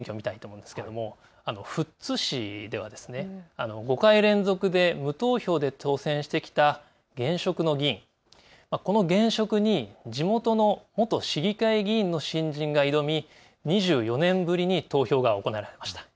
そして千葉県議会議員選挙を見たいと思うんですけれども富津市では５回連続で無投票で当選してきた現職の議員、この現職に地元の元市議会議員の新人が挑み２４年ぶりに投票が行われました。